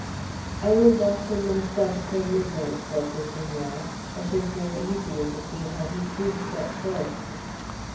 "I will watch him myself till midnight," said the Senora. "I should feel easier to see how he sleeps at first."